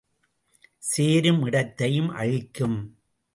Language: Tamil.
சேரும் இடத்தையும் அழிக்கும்.